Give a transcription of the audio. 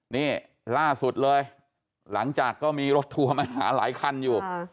นี่ล่าสุดเลยหลังจากก็มีรถทัวร์มาหาหลายคันอยู่